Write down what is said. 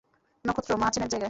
নক্ষত্র, মা আছেন এক জায়গায়।